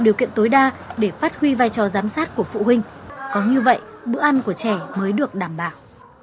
điều kiện tối đa để phát huy vai trò giám sát của phụ huynh có như vậy bữa ăn của trẻ mới được đảm bảo